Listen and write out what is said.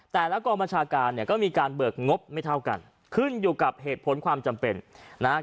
กองบัญชาการเนี่ยก็มีการเบิกงบไม่เท่ากันขึ้นอยู่กับเหตุผลความจำเป็นนะฮะ